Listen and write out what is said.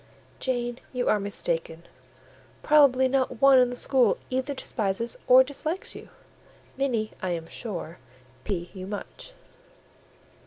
"Jane, you are mistaken: probably not one in the school either despises or dislikes you: many, I am sure, pity you much."